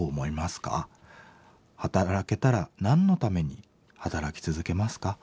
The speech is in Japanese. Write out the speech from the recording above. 働けたら何のために働き続けますか？